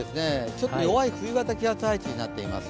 ちょっと弱い冬型気圧配置になっています。